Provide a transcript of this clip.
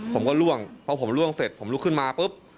ผมก็ล่วงเพราะผมล่วงเสร็จผมลุกขึ้นมาปุ๊บ